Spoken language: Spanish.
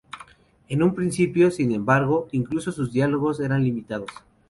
En un principio, sin embargo, incluso sus diálogos eran limitados.